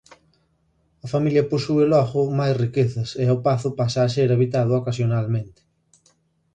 A familia posúe logo máis riquezas e o pazo pasa a ser habitado ocasionalmente.